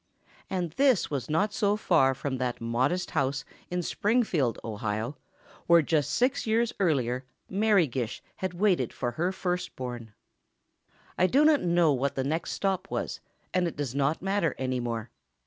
And this was not so far from that modest house in Springfield, Ohio, where just six years earlier Mary Gish had waited for her first born. I do not know what the next stop was, and it does not matter, any more.